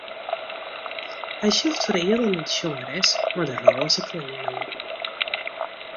Hy sjocht fereale nei de sjongeres mei de rôze klean oan.